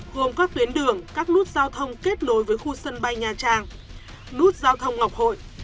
gồm các tuyến đường các nút giao thông kết nối với khu sân bay nha trang nút giao thông ngọc hội